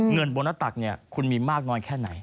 เงินบรณะตักคุณมีมากนอนแค่ไหน